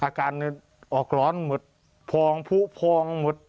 อาการออกร้อนหมดพองผู้พองหมด